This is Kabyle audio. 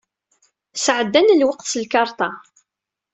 Sɛeddan lweqt s lkarṭa.